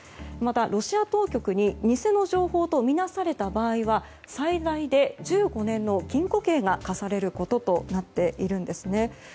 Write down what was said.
また、ロシア当局に偽の情報とみなされた場合は最大で１５年の禁錮刑が科されることとなっています。